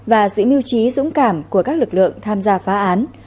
và giữ mưu trí dũng cảm của các lực lượng tham gia phá án